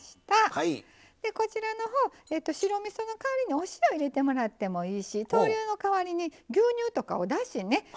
こちらの方白みその代わりにお塩入れてもらってもいいし豆乳の代わりに牛乳とかおだしね